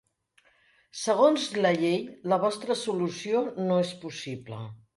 Segons la llei, la vostra solució no és possible.